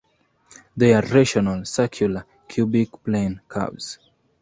They are rational, circular, cubic plane curves.